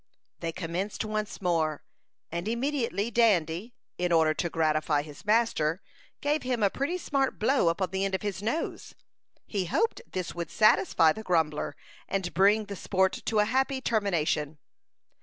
They commenced once more, and immediately Dandy, in order to gratify his master, gave him a pretty smart blow upon the end of his nose. He hoped this would satisfy the grumbler, and bring the sport to a happy termination.